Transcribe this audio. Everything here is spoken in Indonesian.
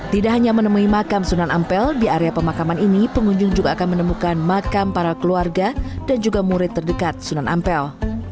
tidak hanya menemui makam sunan ampel di area pemakaman ini pengunjung juga akan menemukan makam para keluarga dan juga murid terdekat sunan ampel